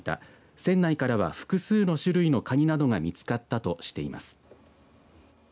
船内からは複数の種類のカニなどが見つかったとしています。